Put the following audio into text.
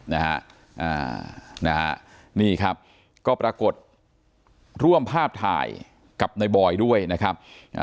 นะฮะนี่ครับก็ปรากฏร่วมภาพถ่ายกับนายบอยด้วยนะครับ